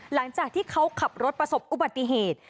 หลังจากที่เขาขับรถประสบอุบัติเหตุ